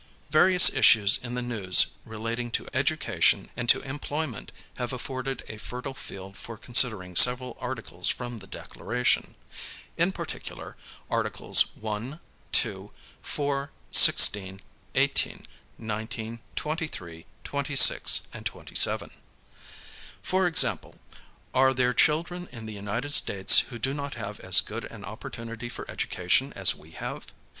Various issues in the news relating^ to education and to employment have afforded a fertile field for considering several Articles from the Declaration ŌĆö in particular Articles 1, 2, 4, 16, 18> 14 HOW CHILDREN LEARxN AliOLT HUMAN RIGHTS 19, 23, 26. and 27. For example, "Are there children in the United States who do not have as good an opportunity for education as we have?"